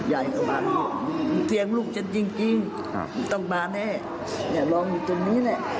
ยายก็มาเตียงลูกฉันจริงต้องมาแน่ลองอยู่ตรงนี้แหละ